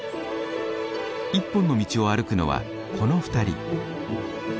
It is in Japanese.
一本の道を歩くのはこの２人。